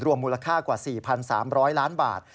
มูลค่ากว่า๔๓๐๐ล้านบาท